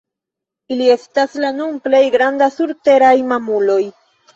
Ili estas la nun plej grandaj surteraj mamuloj.